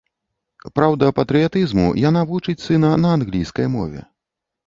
Праўда, патрыятызму яна вучыць сына на англійскай мове.